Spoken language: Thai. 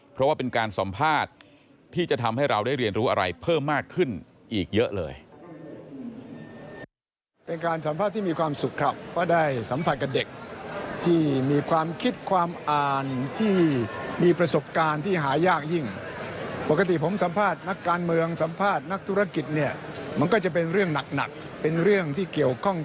เพราะว่าเป็นการสัมภาษณ์ที่จะทำให้เราได้เรียนรู้อะไรเพิ่มมากขึ้นอีกเยอะเลย